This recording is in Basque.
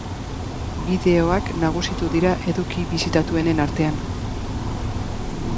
Bideoak nagusitu dira eduki bisitatuenen artean.